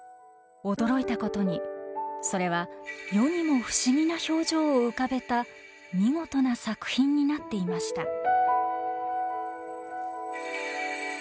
驚いたことにそれは世にも不思議な表情を浮かべた見事な作品になっていました。